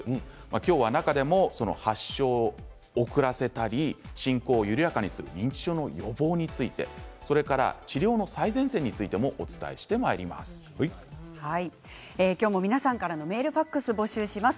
今日は中でも、発症を遅らせたり進行を緩やかにするために認知症の予防についてそれから治療の最前線についても今日も皆さんからのメールファックスを募集します。